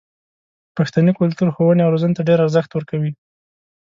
پښتني کلتور ښوونې او روزنې ته ډېر ارزښت ورکوي.